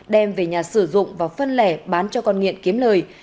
đem về nhà sử dụng và phân lẻ bán cho con nghiện kiếm lời